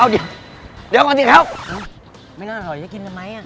เอาเดี๋ยวเดี๋ยวก่อนจริงครับไม่น่าอร่อยจะกินกันไหมอ่ะ